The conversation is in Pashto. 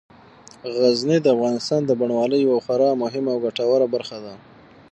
غزني د افغانستان د بڼوالۍ یوه خورا مهمه او ګټوره برخه ده.